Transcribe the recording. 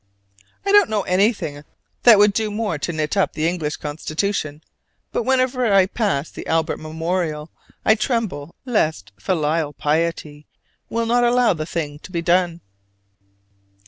I don't know anything that would do more to knit up the English constitution: but whenever I pass the Albert Memorial I tremble lest filial piety will not allow the thing to be done.